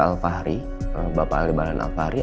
alfahri bapak ali bahlan alfahri